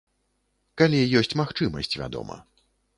Калі ёсць магчымасць, вядома.